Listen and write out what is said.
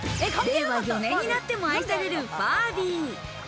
令和４年になっても愛されるファービー。